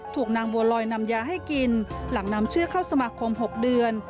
ถูกนางบัวลอยนำยาให้กินหลังนำชื่อเข้าสมาคม๖เดือน